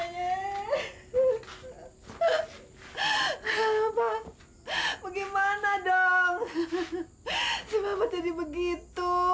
ya allah bagaimana dong si mama jadi begitu